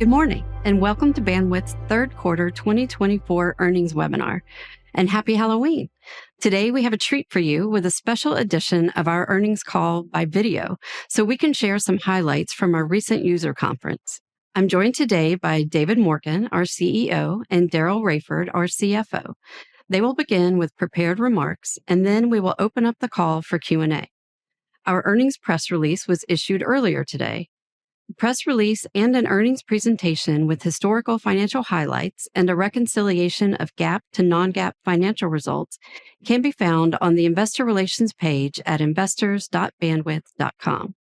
Good morning and welcome to Bandwidth's third quarter 2024 earnings webinar, and happy Halloween. Today we have a treat for you with a special edition of our earnings call by video so we can share some highlights from our recent user conference. I'm joined today by David Morken, our CEO, and Daryl Raiford, our CFO. They will begin with prepared remarks, and then we will open up the call for Q&A. Our earnings press release was issued earlier today. The press release and an earnings presentation with historical financial highlights and a reconciliation of GAAP to non-GAAP financial results can be found on the investor relations page at investors.bandwidth.com.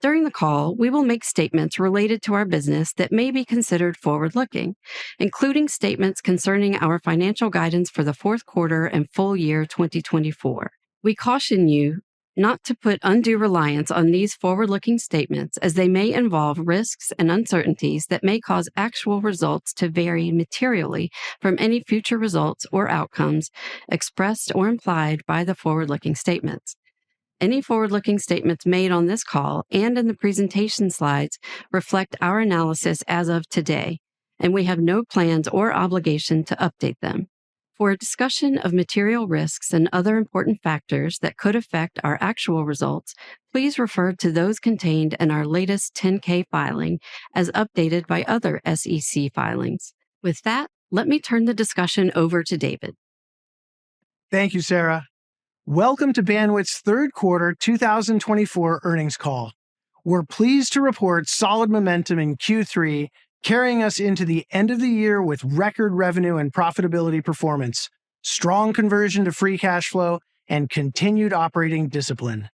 During the call, we will make statements related to our business that may be considered forward-looking, including statements concerning our financial guidance for the fourth quarter and full year 2024. We caution you not to put undue reliance on these forward-looking statements, as they may involve risks and uncertainties that may cause actual results to vary materially from any future results or outcomes expressed or implied by the forward-looking statements. Any forward-looking statements made on this call and in the presentation slides reflect our analysis as of today, and we have no plans or obligation to update them. For a discussion of material risks and other important factors that could affect our actual results, please refer to those contained in our latest 10-K filing as updated by other SEC filings. With that, let me turn the discussion over to David. Thank you, Sarah. Welcome to Bandwidth's third quarter 2024 earnings call. We're pleased to report solid momentum in Q3, carrying us into the end of the year with record revenue and profitability performance, strong conversion to free cash flow, and continued operating discipline.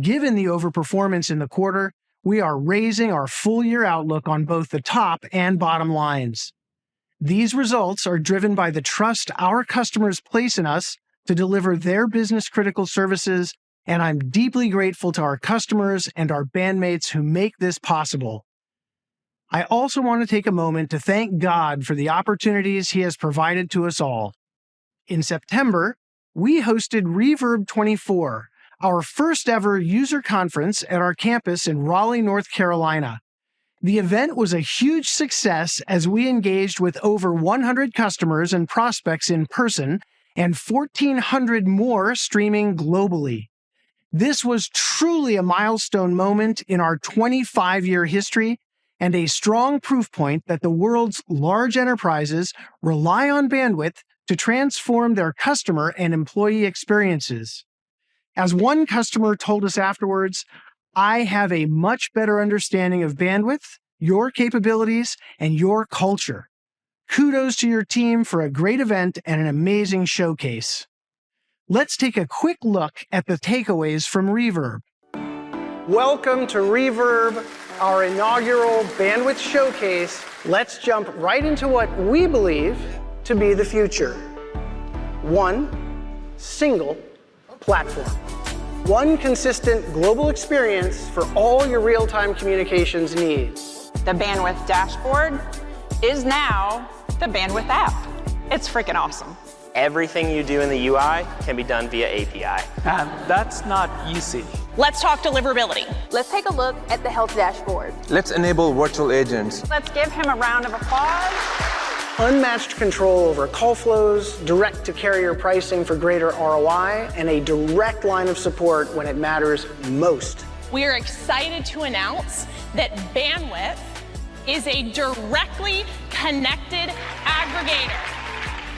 Given the overperformance in the quarter, we are raising our full-year outlook on both the top and bottom lines. These results are driven by the trust our customers place in us to deliver their business-critical services, and I'm deeply grateful to our customers and our bandmates who make this possible. I also want to take a moment to thank God for the opportunities He has provided to us all. In September, we hosted Reverb24, our first-ever user conference at our campus in Raleigh, North Carolina. The event was a huge success as we engaged with over 100 customers and prospects in person and 1,400 more streaming globally. This was truly a milestone moment in our 25-year history and a strong proof point that the world's large enterprises rely on Bandwidth to transform their customer and employee experiences. As one customer told us afterwards, "I have a much better understanding of Bandwidth, your capabilities, and your culture. Kudos to your team for a great event and an amazing showcase." Let's take a quick look at the takeaways from Reverb. Welcome to Reverb, our inaugural Bandwidth Showcase. Let's jump right into what we believe to be the future. One, single platform. One consistent global experience for all your real-time communications needs. The Bandwidth dashboard is now the Bandwidth App. It's freaking awesome. Everything you do in the UI can be done via API. That's not easy. Let's talk deliverability. Let's take a look at the health dashboard. Let's enable virtual agents. Let's give him a round of applause. Unmatched control over call flows, direct-to-carrier pricing for greater ROI, and a direct line of support when it matters most. We are excited to announce that Bandwidth is a directly connected aggregator.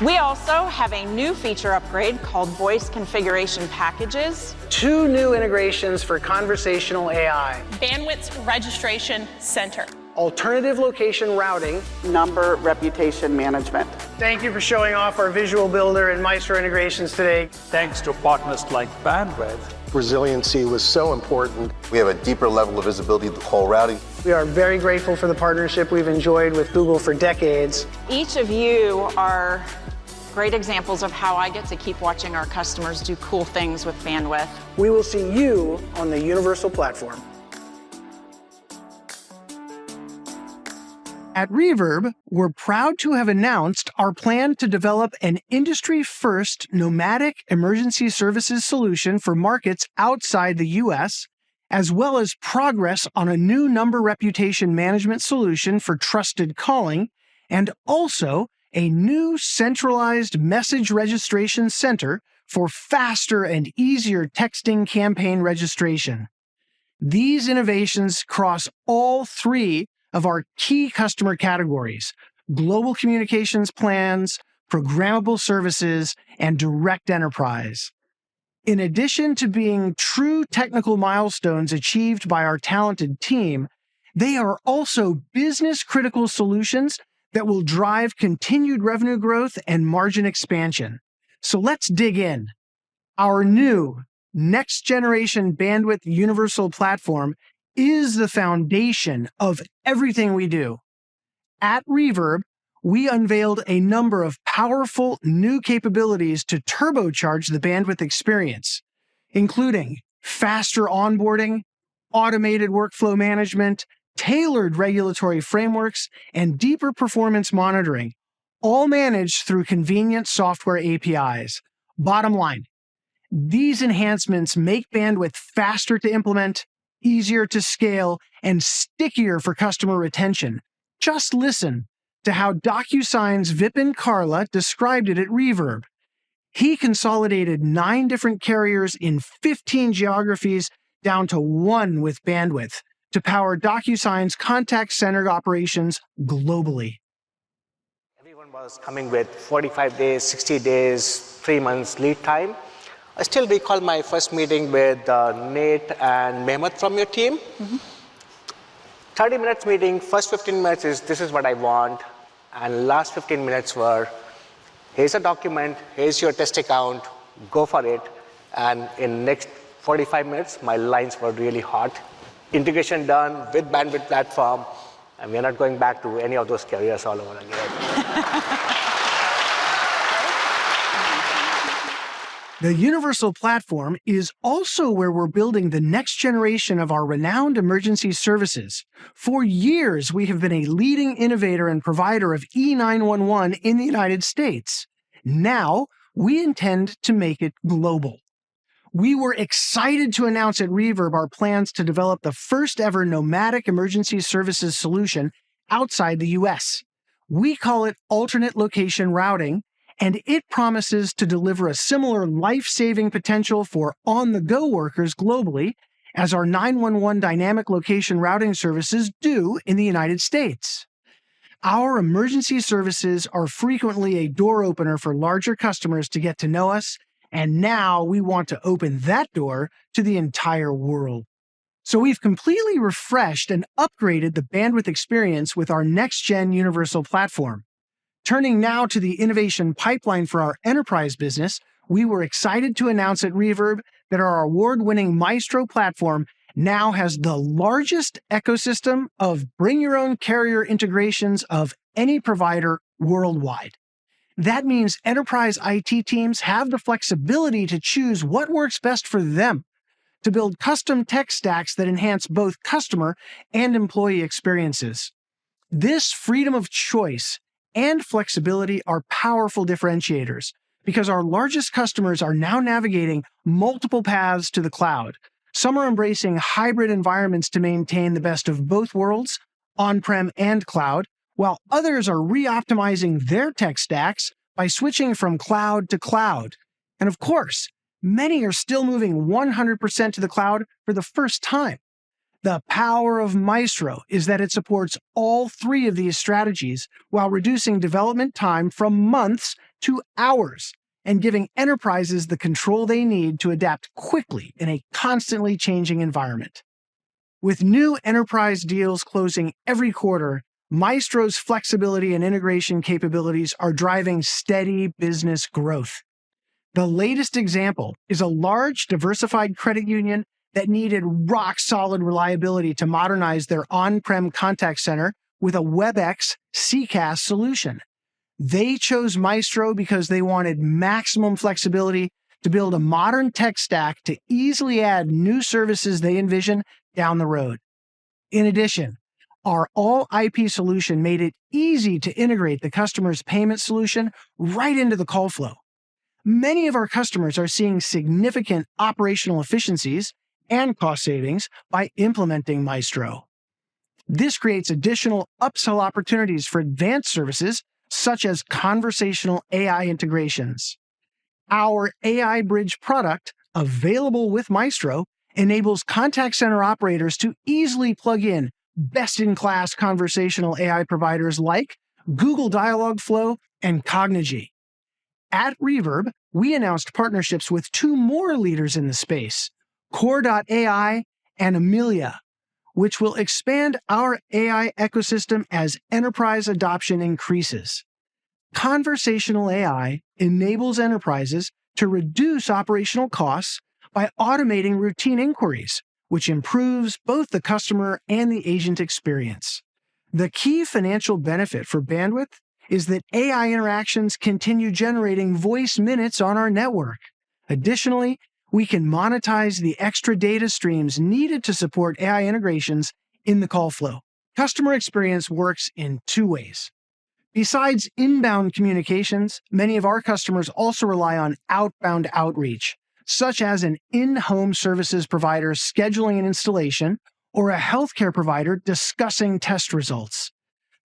We also have a new feature upgrade called Voice Configuration Packages. Two new integrations for conversational AI. Bandwidth Registration Center. Alternate Location Routing. Number Reputation Management. Thank you for showing off our Visual Builder and Maestro Integrations today. Thanks to a partner like Bandwidth. Resiliency was so important. We have a deeper level of visibility with the whole routing. We are very grateful for the partnership we've enjoyed with Google for decades. Each of you are great examples of how I get to keep watching our customers do cool things with Bandwidth. We will see you on the Universal Platform. At Reverb, we're proud to have announced our plan to develop an industry-first nomadic emergency services solution for markets outside the US, as well as progress on a new number reputation management solution for trusted calling, and also a new centralized message registration center for faster and easier texting campaign registration. These innovations cross all three of our key customer categories: global communications plans, programmable services, and direct enterprise. In addition to being true technical milestones achieved by our talented team, they are also business-critical solutions that will drive continued revenue growth and margin expansion. So let's dig in. Our new next-generation Bandwidth Universal platform is the foundation of everything we do. At Reverb, we unveiled a number of powerful new capabilities to turbocharge the Bandwidth experience, including faster onboarding, automated workflow management, tailored regulatory frameworks, and deeper performance monitoring, all managed through convenient software APIs. Bottom line, these enhancements make Bandwidth faster to implement, easier to scale, and stickier for customer retention. Just listen to how DocuSign's Vipin Kalra described it at Reverb. He consolidated nine different carriers in 15 geographies down to one with Bandwidth to power DocuSign's contact-centered operations globally. Everyone was coming with 45 days, 60 days, three months lead time. Still, we called my first meeting with Nate and Mehmet from your team. 30-minute meeting, first 15 minutes is, "This is what I want," and last 15 minutes were, "Here's a document, here's your test account, go for it," and in the next 45 minutes, my lines were really hot. Integration done with Bandwidth platform, and we're not going back to any of those carriers all over again. The Universal Platform is also where we're building the next generation of our renowned emergency services. For years, we have been a leading innovator and provider of E-911 in the United States. Now we intend to make it global. We were excited to announce at Reverb our plans to develop the first-ever Nomadic Emergency Services solution outside the U.S. We call it Alternate Location Routing, and it promises to deliver a similar life-saving potential for on-the-go workers globally, as our 911 Dynamic Location Routing services do in the United States. Our emergency services are frequently a door opener for larger customers to get to know us, and now we want to open that door to the entire world. So we've completely refreshed and upgraded the Bandwidth experience with our next-gen Universal Platform. Turning now to the innovation pipeline for our enterprise business, we were excited to announce at Reverb that our award-winning Maestro platform now has the largest ecosystem of bring-your-own-carrier integrations of any provider worldwide. That means enterprise IT teams have the flexibility to choose what works best for them to build custom tech stacks that enhance both customer and employee experiences. This freedom of choice and flexibility are powerful differentiators because our largest customers are now navigating multiple paths to the cloud. Some are embracing hybrid environments to maintain the best of both worlds, on-prem and cloud, while others are reoptimizing their tech stacks by switching from cloud to cloud. And of course, many are still moving 100% to the cloud for the first time. The power of Maestro is that it supports all three of these strategies while reducing development time from months to hours and giving enterprises the control they need to adapt quickly in a constantly changing environment. With new enterprise deals closing every quarter, Maestro's flexibility and integration capabilities are driving steady business growth. The latest example is a large diversified credit union that needed rock-solid reliability to modernize their on-prem contact center with a Webex CCaaS solution. They chose Maestro because they wanted maximum flexibility to build a modern tech stack to easily add new services they envision down the road. In addition, our all-IP solution made it easy to integrate the customer's payment solution right into the call flow. Many of our customers are seeing significant operational efficiencies and cost savings by implementing Maestro. This creates additional upsell opportunities for advanced services such as conversational AI integrations. Our AI Bridge product, available with Maestro, enables contact center operators to easily plug in best-in-class conversational AI providers like Google Dialogflow and Cognigy. At Reverb, we announced partnerships with two more leaders in the space, Kore.ai and Amelia, which will expand our AI ecosystem as enterprise adoption increases. Conversational AI enables enterprises to reduce operational costs by automating routine inquiries, which improves both the customer and the agent experience. The key financial benefit for Bandwidth is that AI interactions continue generating voice minutes on our network. Additionally, we can monetize the extra data streams needed to support AI integrations in the call flow. Customer experience works in two ways. Besides inbound communications, many of our customers also rely on outbound outreach, such as an in-home services provider scheduling an installation or a healthcare provider discussing test results.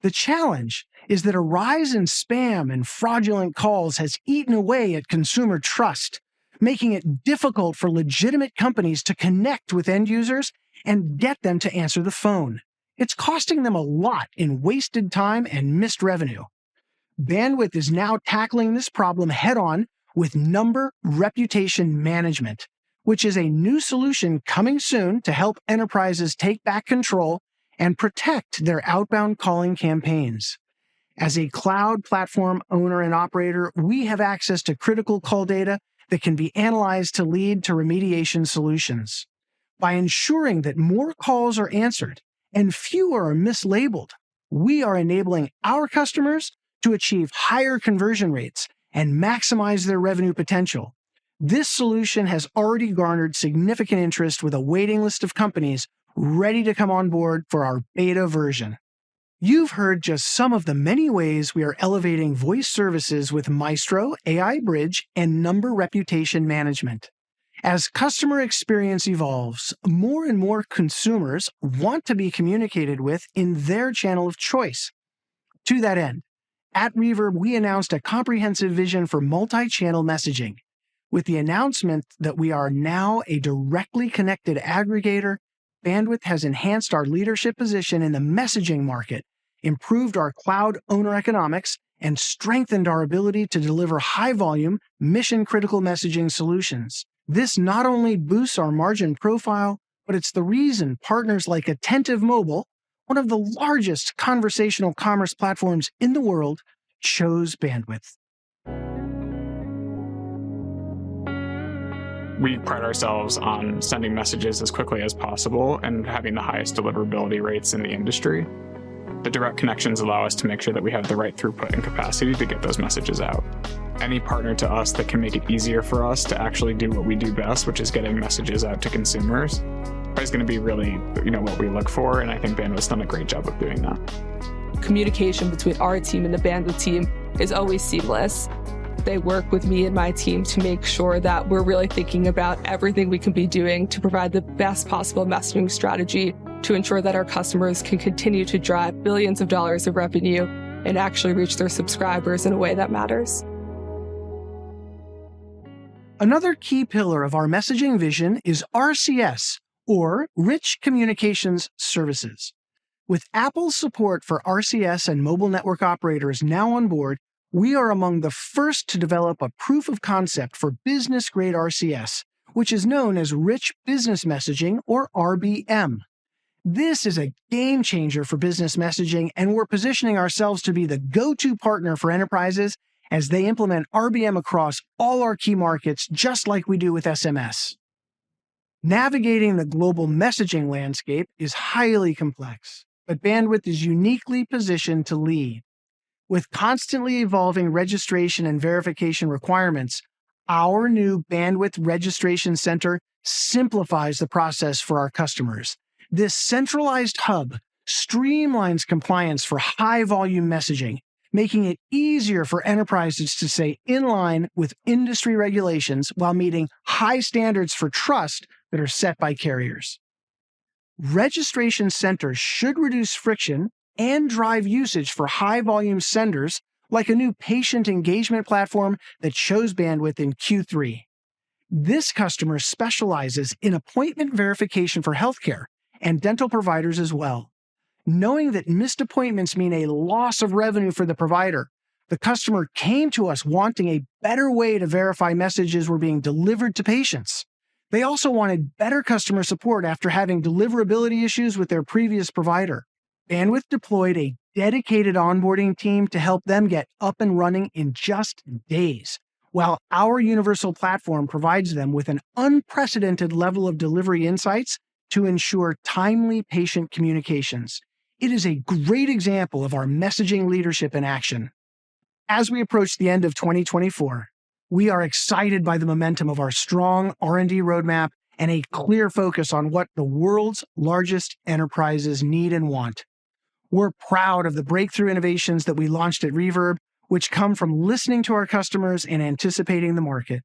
The challenge is that a rise in spam and fraudulent calls has eaten away at consumer trust, making it difficult for legitimate companies to connect with end users and get them to answer the phone. It's costing them a lot in wasted time and missed revenue. Bandwidth is now tackling this problem head-on with Number Reputation Management, which is a new solution coming soon to help enterprises take back control and protect their outbound calling campaigns. As a cloud platform owner and operator, we have access to critical call data that can be analyzed to lead to remediation solutions. By ensuring that more calls are answered and fewer are mislabeled, we are enabling our customers to achieve higher conversion rates and maximize their revenue potential. This solution has already garnered significant interest with a waiting list of companies ready to come on board for our beta version. You've heard just some of the many ways we are elevating voice services with Maestro, AI Bridge, and Number Reputation Management. As customer experience evolves, more and more consumers want to be communicated with in their channel of choice. To that end, at Reverb, we announced a comprehensive vision for multi-channel messaging. With the announcement that we are now a directly connected aggregator, Bandwidth has enhanced our leadership position in the messaging market, improved our cloud owner economics, and strengthened our ability to deliver high-volume, mission-critical messaging solutions. This not only boosts our margin profile, but it's the reason partners like Attentive Mobile, one of the largest conversational commerce platforms in the world, chose Bandwidth. We pride ourselves on sending messages as quickly as possible and having the highest deliverability rates in the industry. The direct connections allow us to make sure that we have the right throughput and capacity to get those messages out. Any partner to us that can make it easier for us to actually do what we do best, which is getting messages out to consumers, is going to be really what we look for, and I think Bandwidth has done a great job of doing that. Communication between our team and the Bandwidth team is always seamless. They work with me and my team to make sure that we're really thinking about everything we can be doing to provide the best possible messaging strategy to ensure that our customers can continue to drive billions of dollars of revenue and actually reach their subscribers in a way that matters. Another key pillar of our messaging vision is RCS, or Rich Communication Services. With Apple's support for RCS and mobile network operators now on board, we are among the first to develop a proof of concept for business-grade RCS, which is known as Rich Business Messaging, or RBM. This is a game changer for business messaging, and we're positioning ourselves to be the go-to partner for enterprises as they implement RBM across all our key markets, just like we do with SMS. Navigating the global messaging landscape is highly complex, but Bandwidth is uniquely positioned to lead. With constantly evolving registration and verification requirements, our new Bandwidth Registration Center simplifies the process for our customers. This centralized hub streamlines compliance for high-volume messaging, making it easier for enterprises to stay in line with industry regulations while meeting high standards for trust that are set by carriers. Registration Centers should reduce friction and drive usage for high-volume senders, like a new patient engagement platform that shows Bandwidth in Q3. This customer specializes in appointment verification for healthcare and dental providers as well. Knowing that missed appointments mean a loss of revenue for the provider, the customer came to us wanting a better way to verify messages were being delivered to patients. They also wanted better customer support after having deliverability issues with their previous provider. Bandwidth deployed a dedicated onboarding team to help them get up and running in just days, while our Universal Platform provides them with an unprecedented level of delivery insights to ensure timely patient communications. It is a great example of our messaging leadership in action. As we approach the end of 2024, we are excited by the momentum of our strong R&D roadmap and a clear focus on what the world's largest enterprises need and want. We're proud of the breakthrough innovations that we launched at Reverb, which come from listening to our customers and anticipating the market.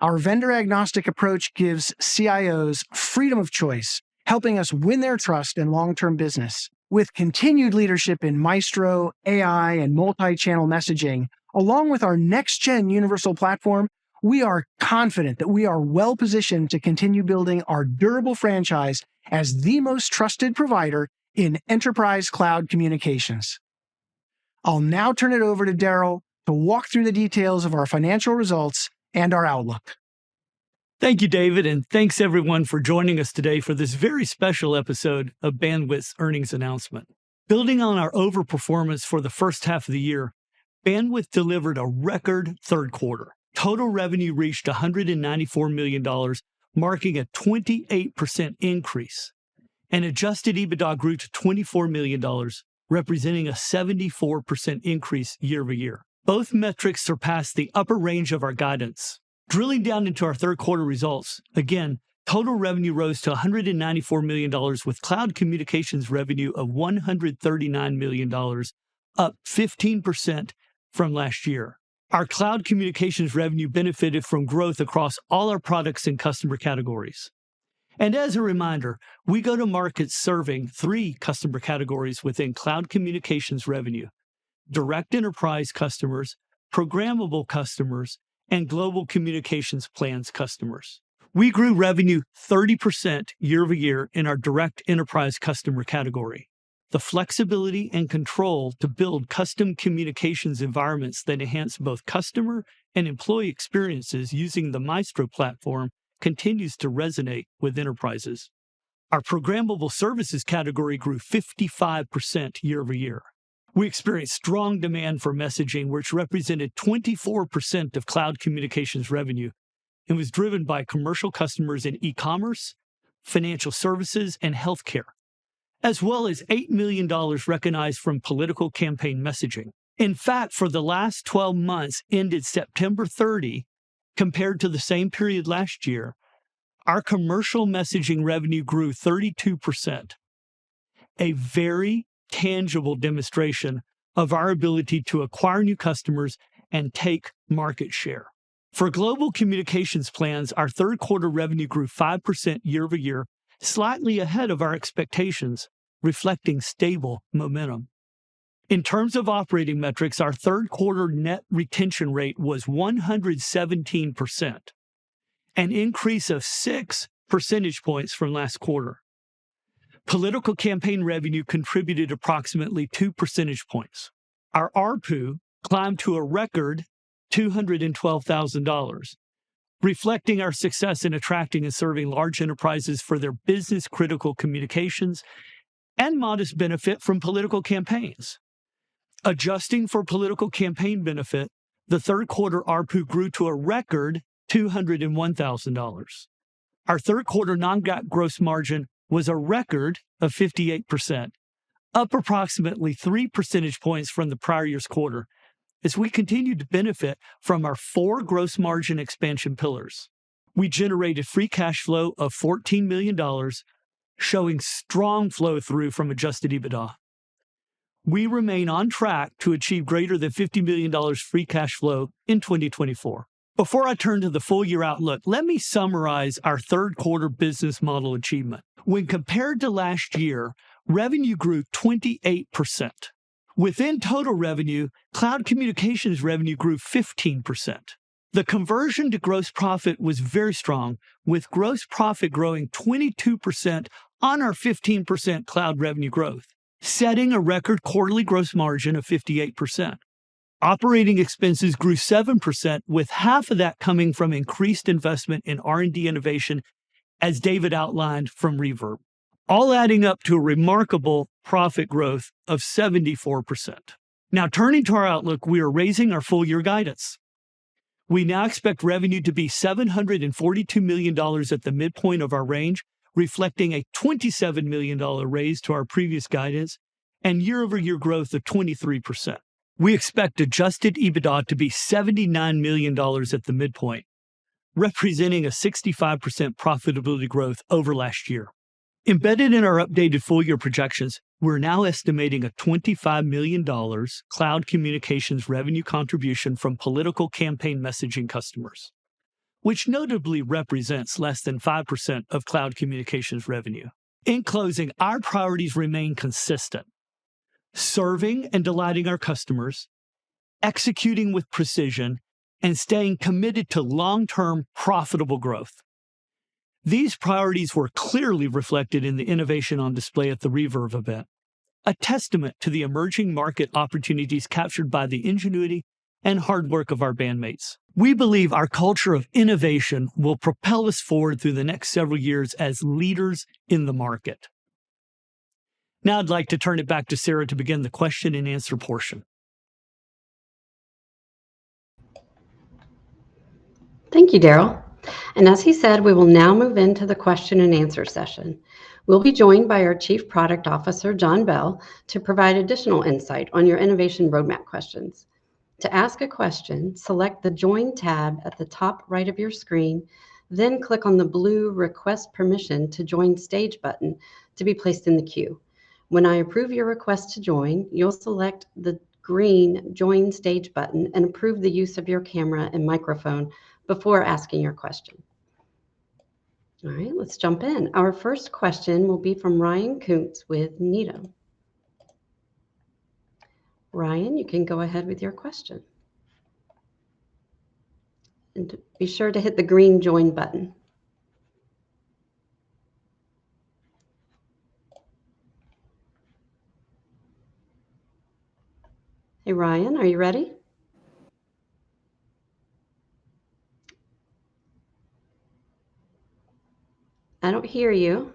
Our vendor-agnostic approach gives CIOs freedom of choice, helping us win their trust in long-term business. With continued leadership in Maestro, AI, and multi-channel messaging, along with our next-gen Universal platform, we are confident that we are well-positioned to continue building our durable franchise as the most trusted provider in enterprise cloud communications. I'll now turn it over to Daryl to walk through the details of our financial results and our outlook. Thank you, David, and thanks everyone for joining us today for this very special episode of Bandwidth's earnings announcement. Building on our overperformance for the first half of the year, Bandwidth delivered a record third quarter. Total revenue reached $194 million, marking a 28% increase, and adjusted EBITDA grew to $24 million, representing a 74% increase year-over-year. Both metrics surpassed the upper range of our guidance. Drilling down into our third quarter results, again, total revenue rose to $194 million, with cloud communications revenue of $139 million, up 15% from last year. Our cloud communications revenue benefited from growth across all our products and customer categories. And as a reminder, we go to market serving three customer categories within cloud communications revenue: direct enterprise customers, programmable customers, and global communications plans customers. We grew revenue 30% year-over-year in our direct enterprise customer category. The flexibility and control to build custom communications environments that enhance both customer and employee experiences using the Maestro platform continues to resonate with enterprises. Our programmable services category grew 55% year-over-year. We experienced strong demand for messaging, which represented 24% of cloud communications revenue and was driven by commercial customers in e-commerce, financial services, and healthcare, as well as $8 million recognized from political campaign messaging. In fact, for the last 12 months, ended September 30, compared to the same period last year, our commercial messaging revenue grew 32%, a very tangible demonstration of our ability to acquire new customers and take market share. For global communications plans, our third quarter revenue grew 5% year-over-year, slightly ahead of our expectations, reflecting stable momentum. In terms of operating metrics, our third quarter net retention rate was 117%, an increase of 6 percentage points from last quarter. Political campaign revenue contributed approximately 2 percentage points. Our ARPU climbed to a record $212,000, reflecting our success in attracting and serving large enterprises for their business-critical communications and modest benefit from political campaigns. Adjusting for political campaign benefit, the third quarter ARPU grew to a record $201,000. Our third quarter non-GAAP gross margin was a record of 58%, up approximately 3 percentage points from the prior year's quarter, as we continued to benefit from our four gross margin expansion pillars. We generated free cash flow of $14 million, showing strong flow-through from adjusted EBITDA. We remain on track to achieve greater than $50 million free cash flow in 2024. Before I turn to the full year outlook, let me summarize our third quarter business model achievement. When compared to last year, revenue grew 28%. Within total revenue, cloud communications revenue grew 15%. The conversion to gross profit was very strong, with gross profit growing 22% on our 15% cloud revenue growth, setting a record quarterly gross margin of 58%. Operating expenses grew 7%, with half of that coming from increased investment in R&D innovation, as David outlined from Reverb, all adding up to a remarkable profit growth of 74%. Now, turning to our outlook, we are raising our full year guidance. We now expect revenue to be $742 million at the midpoint of our range, reflecting a $27 million raise to our previous guidance and year-over-year growth of 23%. We expect adjusted EBITDA to be $79 million at the midpoint, representing a 65% profitability growth over last year. Embedded in our updated full year projections, we're now estimating a $25 million cloud communications revenue contribution from political campaign messaging customers, which notably represents less than 5% of cloud communications revenue. In closing, our priorities remain consistent: serving and delighting our customers, executing with precision, and staying committed to long-term profitable growth. These priorities were clearly reflected in the innovation on display at the Reverb event, a testament to the emerging market opportunities captured by the ingenuity and hard work of our bandmates. We believe our culture of innovation will propel us forward through the next several years as leaders in the market. Now, I'd like to turn it back to Sarah to begin the question-and-answer portion. Thank you, Daryl. And as he said, we will now move into the question-and-answer session. We'll be joined by our Chief Product Officer, John Bell, to provide additional insight on your innovation roadmap questions. To ask a question, select the Join tab at the top right of your screen, then click on the blue Request Permission to Join Stage button to be placed in the queue. When I approve your request to join, you'll select the green Join Stage button and approve the use of your camera and microphone before asking your question. All right, let's jump in. Our first question will be from Ryan Koontz with Needham. Ryan, you can go ahead with your question. And be sure to hit the green Join button. Hey, Ryan, are you ready? I don't hear you.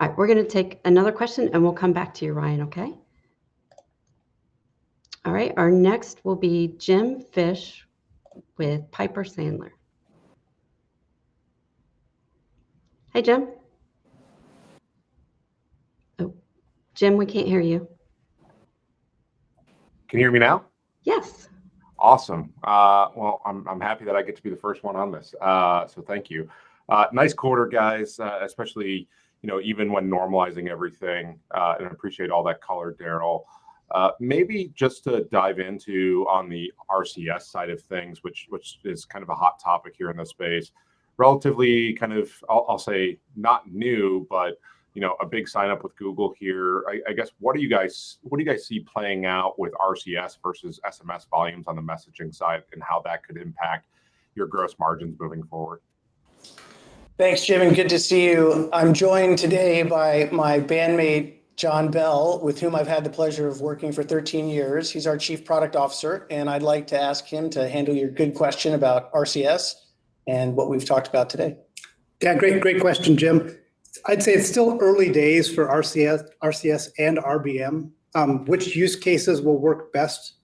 All right, we're going to take another question, and we'll come back to you, Ryan, okay? All right, our next will be Jim Fish with Piper Sandler. Hey, Jim. Oh, Jim, we can't hear you. Can you hear me now? Yes. Awesome. Well, I'm happy that I get to be the first one on this, so thank you. Nice quarter, guys, especially even when normalizing everything, and I appreciate all that color, Daryl. Maybe just to dive into on the RCS side of things, which is kind of a hot topic here in this space, relatively kind of, I'll say, not new, but a big sign-up with Google here. I guess, what do you guys see playing out with RCS versus SMS volumes on the messaging side and how that could impact your gross margins moving forward? Thanks, Jim. Good to see you. I'm joined today by my bandmate, John Bell, with whom I've had the pleasure of working for 13 years. He's our Chief Product Officer, and I'd like to ask him to handle your good question about RCS and what we've talked about today. Yeah, great question, Jim. I'd say it's still early days for RCS and RBM, which use cases will work best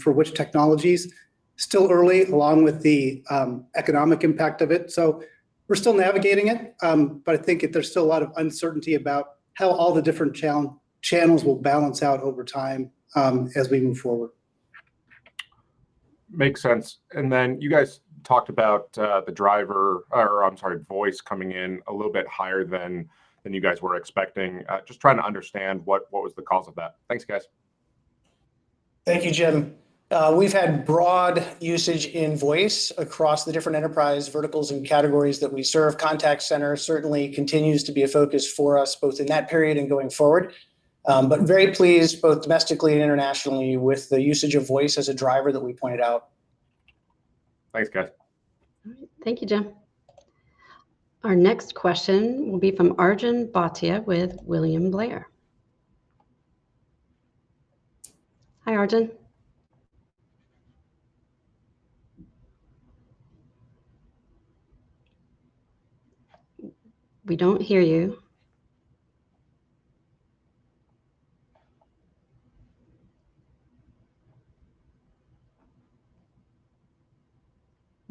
for which technologies. Still early, along with the economic impact of it, so we're still navigating it, but I think there's still a lot of uncertainty about how all the different channels will balance out over time as we move forward. Makes sense. And then you guys talked about the driver, or I'm sorry, voice coming in a little bit higher than you guys were expecting. Just trying to understand what was the cause of that. Thanks, guys. Thank you, Jim. We've had broad usage in voice across the different enterprise verticals and categories that we serve. Contact Center certainly continues to be a focus for us, both in that period and going forward, but very pleased both domestically and internationally with the usage of voice as a driver that we pointed out. Thanks, guys. All right, thank you, Jim. Our next question will be from Arjun Bhatia with William Blair. Hi, Arjun. We don't hear you.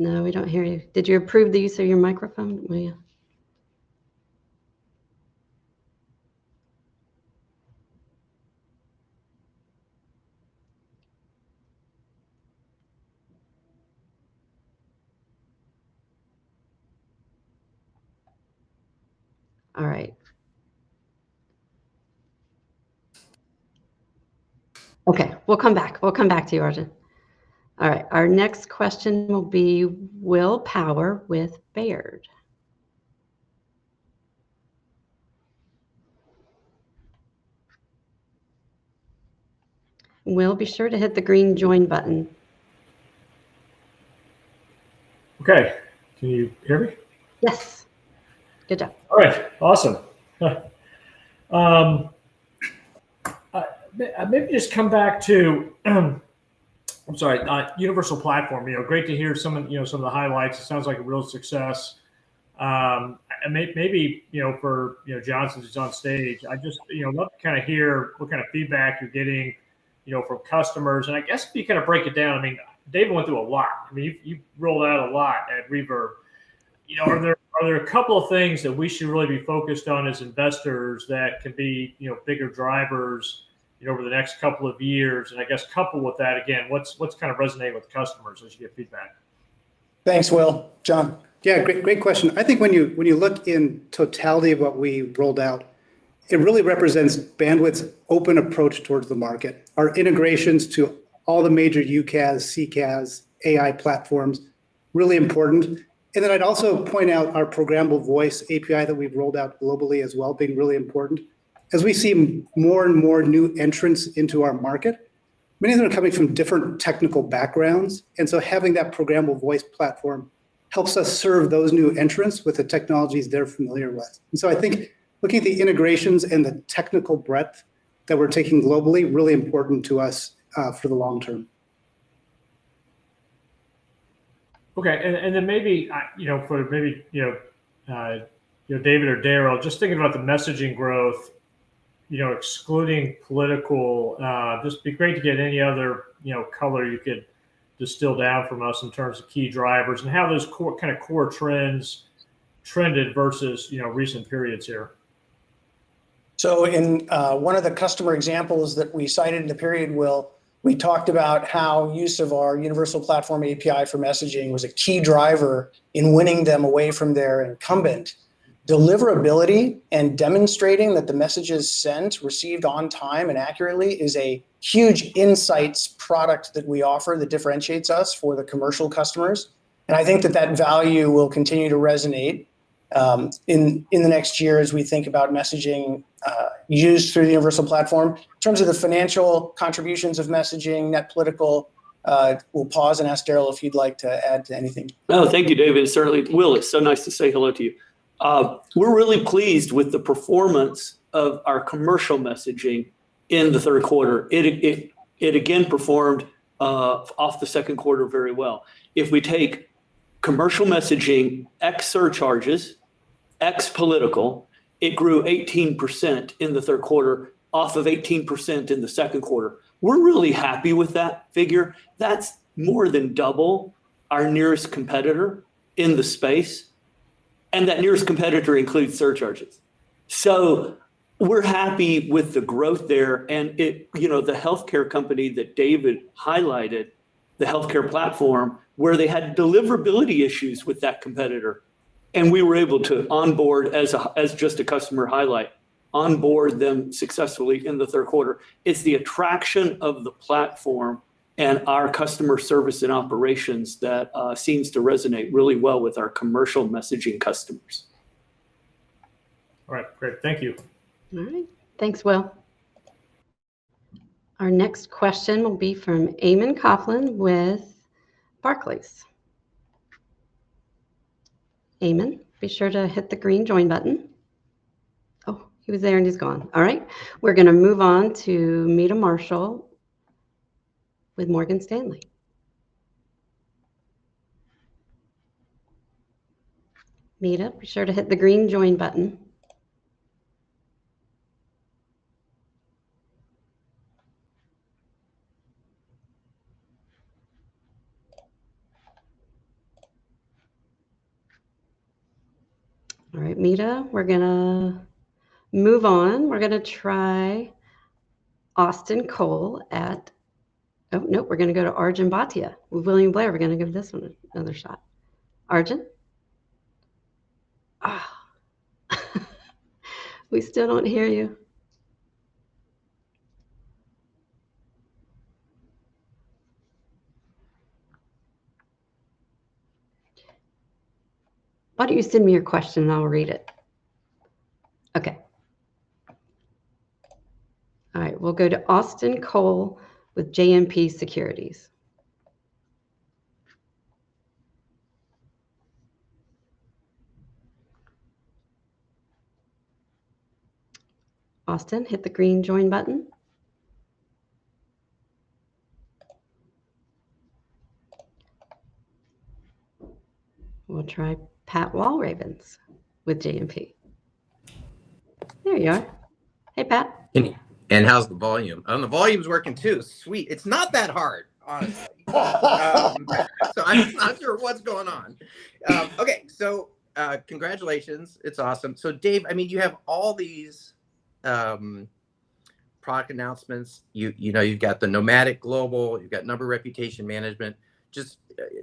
No, we don't hear you. Did you approve the use of your microphone? All right. Okay, we'll come back. We'll come back to you, Arjun. All right, our next question will be Will Power with Baird. Will, be sure to hit the green Join button. Okay. Can you hear me? Yes. Good job. All right. Awesome. Maybe just come back to, I'm sorry, Universal Platform. Great to hear some of the highlights. It sounds like a real success. And maybe for John, who's on stage, I'd just love to kind of hear what kind of feedback you're getting from customers. And I guess if you kind of break it down, I mean, David went through a lot. I mean, you've rolled out a lot at Reverb. Are there a couple of things that we should really be focused on as investors that can be bigger drivers over the next couple of years? And I guess couple with that, again, what's kind of resonating with customers as you get feedback? Thanks, Will. John? Yeah, great question. I think when you look in totality of what we rolled out, it really represents Bandwidth's open approach towards the market. Our integrations to all the major UCaaS, CCaaS, AI platforms are really important. And then I'd also point out our programmable voice API that we've rolled out globally as well being really important. As we see more and more new entrants into our market, many of them are coming from different technical backgrounds, and so having that programmable voice platform helps us serve those new entrants with the technologies they're familiar with. And so I think looking at the integrations and the technical breadth that we're taking globally is really important to us for the long term. Okay. And then maybe for David or Daryl, just thinking about the messaging growth, excluding political, just be great to get any other color you could distill down from us in terms of key drivers and how those kind of core trends trended versus recent periods here. So in one of the customer examples that we cited in the period, Will, we talked about how use of our Universal Platform API for messaging was a key driver in winning them away from their incumbent. Deliverability and demonstrating that the message is sent, received on time and accurately is a huge insights product that we offer that differentiates us for the commercial customers. And I think that that value will continue to resonate in the next year as we think about messaging used through the Universal Platform. In terms of the financial contributions of messaging, net retention, we'll pause and ask Daryl if he'd like to add to anything. Oh, thank you, David. Certainly, Will, it's so nice to say hello to you. We're really pleased with the performance of our commercial messaging in the third quarter. It again performed off the second quarter very well. If we take commercial messaging ex surcharges, ex political, it grew 18% in the third quarter off of 18% in the second quarter. We're really happy with that figure. That's more than double our nearest competitor in the space, and that nearest competitor includes surcharges. So we're happy with the growth there, and the healthcare company that David highlighted, the healthcare platform, where they had deliverability issues with that competitor, and we were able to onboard, as just a customer highlight, onboard them successfully in the third quarter. It's the attraction of the platform and our customer service and operations that seems to resonate really well with our commercial messaging customers. All right. Great. Thank you. All right. Thanks, Will. Our next question will be from Eamon Coughlin with Barclays. Eamon, be sure to hit the green Join button. Oh, he was there and he's gone. All right. We're going to move on to Meta Marshall with Morgan Stanley. Meta, be sure to hit the green Join button. All right, Meta, we're going to move on. We're going to try Austin Cole at, oh, no, we're going to go to Arjun Bhatia with William Blair. We're going to give this one another shot. Arjun? We still don't hear you. Why don't you send me your question and I'll read it? Okay. All right, we'll go to Austin Cole with JMP Securities. Austin, hit the green Join button. We'll try Pat Walravens with JMP. There you are. Hey, Pat. And how's the volume? Oh, the volume's working too. Sweet. It's not that hard, honestly. So I'm not sure what's going on. Okay, so congratulations. It's awesome. So Dave, I mean, you have all these product announcements. You've got the Nomadic Global, you've got Number Reputation Management, just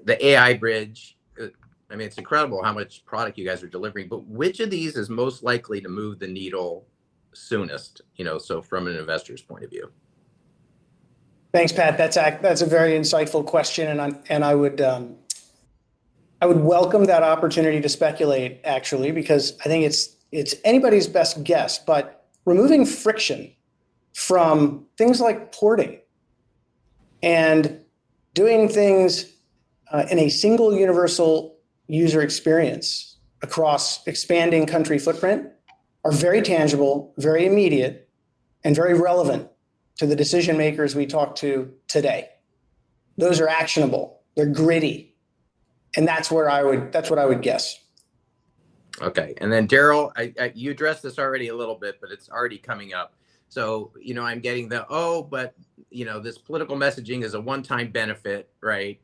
the AI Bridge. I mean, it's incredible how much product you guys are delivering. But which of these is most likely to move the needle soonest, so from an investor's point of view? Thanks, Pat. That's a very insightful question, and I would welcome that opportunity to speculate, actually, because I think it's anybody's best guess, but removing friction from things like porting and doing things in a single universal user experience across expanding country footprint are very tangible, very immediate, and very relevant to the decision-makers we talk to today. Those are actionable. They're gritty, and that's what I would guess. Okay. And then Daryl, you addressed this already a little bit, but it's already coming up. So I'm getting the, "Oh, but this political messaging is a one-time benefit," right?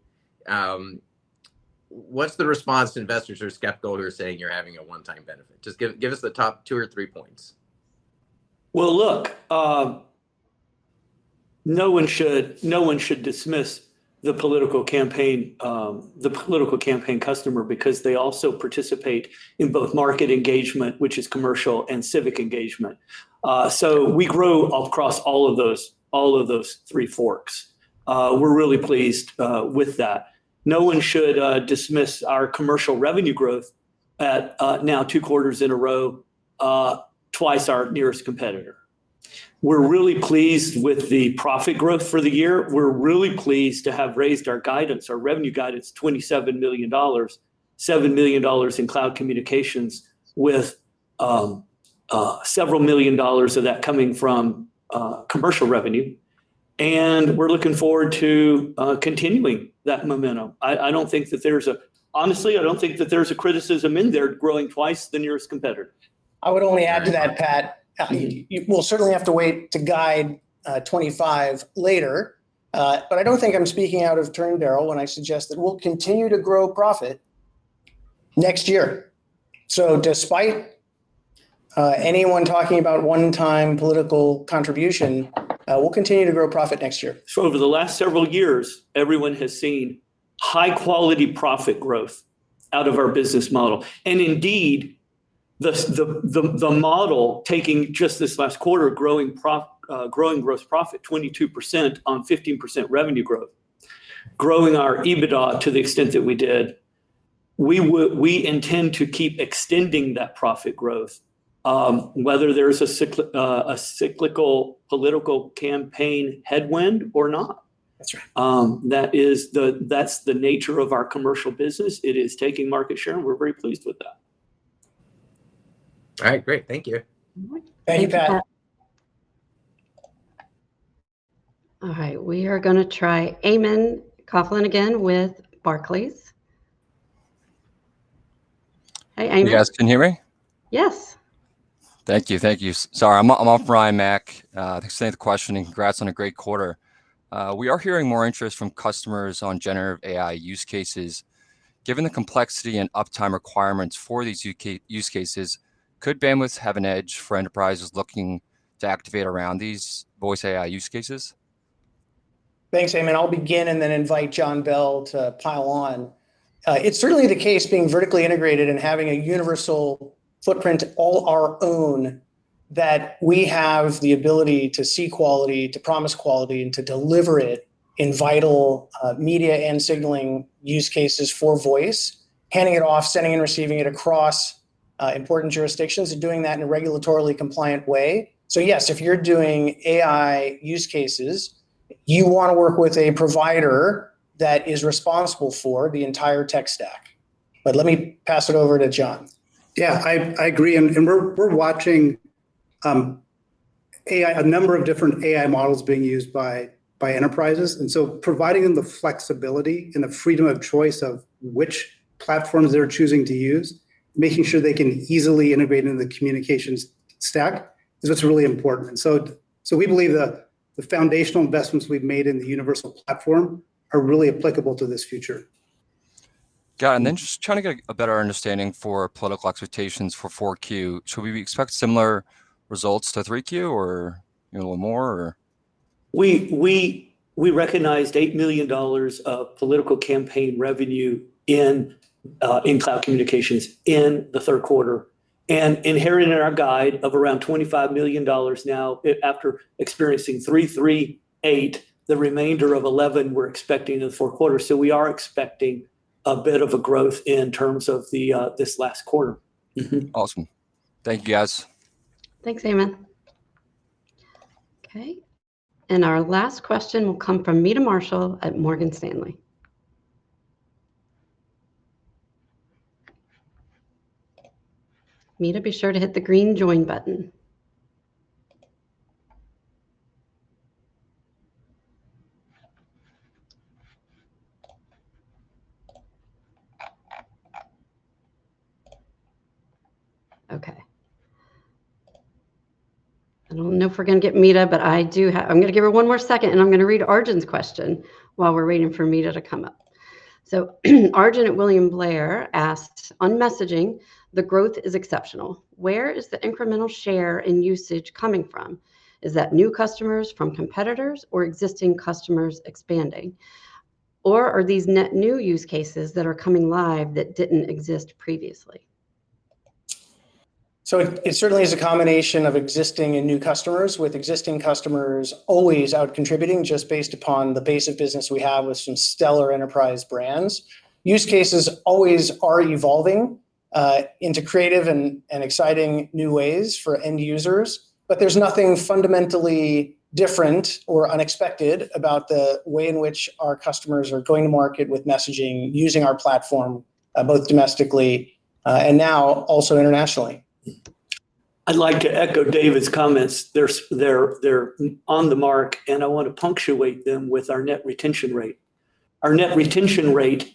What's the response to investors or skeptical who are saying you're having a one-time benefit? Just give us the top two or three points. Look, no one should dismiss the political campaign customer because they also participate in both market engagement, which is commercial, and civic engagement. We grow across all of those three forks. We're really pleased with that. No one should dismiss our commercial revenue growth at now two quarters in a row, twice our nearest competitor. We're really pleased with the profit growth for the year. We're really pleased to have raised our revenue guidance $27 million, $7 million in cloud communications, with several million dollars of that coming from commercial revenue. We're looking forward to continuing that momentum. Honestly, I don't think that there's a criticism in there growing twice the nearest competitor. I would only add to that, Pat. We'll certainly have to wait to guide '25 later. But I don't think I'm speaking out of turn, Daryl, when I suggest that we'll continue to grow profit next year. So despite anyone talking about one-time political contribution, we'll continue to grow profit next year. Over the last several years, everyone has seen high-quality profit growth out of our business model. Indeed, the model, taking just this last quarter, growing gross profit 22% on 15% revenue growth, growing our EBITDA to the extent that we did, we intend to keep extending that profit growth, whether there's a cyclical political campaign headwind or not. That's the nature of our commercial business. It is taking market share, and we're very pleased with that. All right. Great. Thank you. Thank you, Pat. All right. We are going to try Eamon Coughlin again with Barclays. Hey, Eamon. Hey, guys. Can you hear me? Yes. Thank you. Thank you. Sorry, I'm off, Ryan MacWilliams. Thanks for the question, and congrats on a great quarter. We are hearing more interest from customers on generative AI use cases. Given the complexity and uptime requirements for these use cases, could Bandwidth have an edge for enterprises looking to activate around these voice AI use cases? Thanks, Eamon. I'll begin and then invite John Bell to pile on. It's certainly the case being vertically integrated and having a universal footprint all our own that we have the ability to see quality, to promise quality, and to deliver it in vital media and signaling use cases for voice, handing it off, sending and receiving it across important jurisdictions, and doing that in a regulatorily compliant way. So yes, if you're doing AI use cases, you want to work with a provider that is responsible for the entire tech stack. But let me pass it over to John. Yeah, I agree. And we're watching a number of different AI models being used by enterprises. And so providing them the flexibility and the freedom of choice of which platforms they're choosing to use, making sure they can easily integrate into the communications stack is what's really important. And so we believe the foundational investments we've made in the Universal Platform are really applicable to this future. Got it. And then just trying to get a better understanding for political expectations for 4Q. So we expect similar results to 3Q or a little more, or? We recognized $8 million of political campaign revenue in cloud communications in the third quarter and inherited our guide of around $25 million now after experiencing 3.38. The remainder of $11 million, we're expecting in the fourth quarter. So we are expecting a bit of a growth in terms of this last quarter. Awesome. Thank you, guys. Thanks, Eamon. Okay. And our last question will come from Meta Marshall at Morgan Stanley. Meta, be sure to hit the green Join button. Okay. I don't know if we're going to get Meta, but I'm going to give her one more second, and I'm going to read Arjun's question while we're waiting for Meta to come up. So Arjun at William Blair asked, "On messaging, the growth is exceptional. Where is the incremental share in usage coming from? Is that new customers from competitors or existing customers expanding? Or are these net new use cases that are coming live that didn't exist previously? So, it certainly is a combination of existing and new customers, with existing customers always out contributing just based upon the base of business we have with some stellar enterprise brands. Use cases always are evolving into creative and exciting new ways for end users. But there's nothing fundamentally different or unexpected about the way in which our customers are going to market with messaging using our platform both domestically and now also internationally. I'd like to echo David's comments. They're on the mark, and I want to punctuate them with our net retention rate. Our net retention rate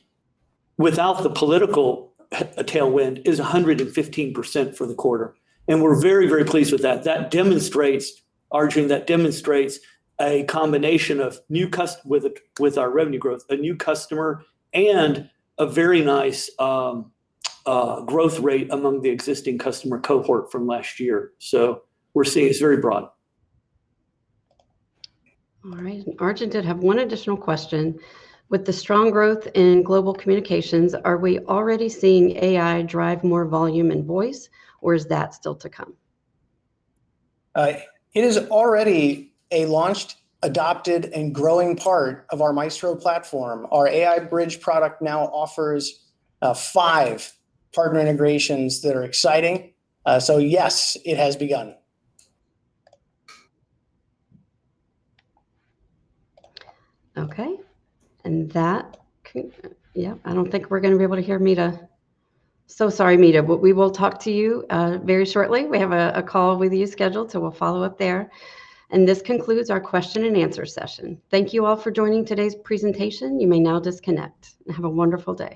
without the political tailwind is 115% for the quarter, and we're very, very pleased with that. Arjun, that demonstrates a combination of new customers with our revenue growth, a new customer, and a very nice growth rate among the existing customer cohort from last year, so we're seeing it's very broad. All right. Arjun did have one additional question. With the strong growth in global communications, are we already seeing AI drive more volume and voice, or is that still to come? It is already a launched, adopted, and growing part of our Maestro platform. Our AI Bridge product now offers five partner integrations that are exciting. So yes, it has begun. Okay. And that, yeah, I don't think we're going to be able to hear Meta, so sorry, Meta. We will talk to you very shortly. We have a call with you scheduled, so we'll follow up there, and this concludes our question and answer session. Thank you all for joining today's presentation. You may now disconnect. Have a wonderful day.